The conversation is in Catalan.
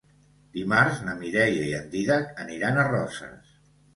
Dimarts na Mireia i en Dídac aniran a Roses.